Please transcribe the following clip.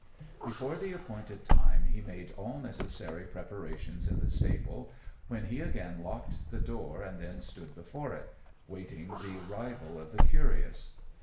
Before the appointed time he made all necessary preparations in the stable, when he again locked the door and then stood before it, waiting the arrival of the curious.